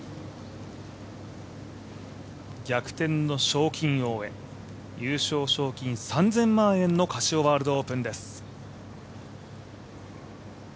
逆転の賞金王へ優勝賞金３０００万円のカシオワールドオープンです。